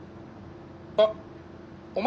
あっお前